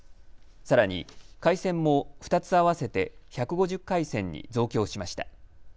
さらに回線も２つ合わせて１５０回線に増強しました。